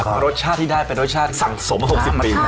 ขอรสชาติที่ได้เป็นรสชาติสังสมหกสิบปี